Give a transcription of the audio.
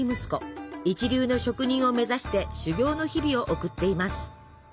一流の職人を目指して修業の日々を送っています。